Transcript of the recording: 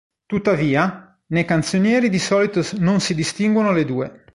Tuttavia, nei canzonieri di solito non si distinguono le due.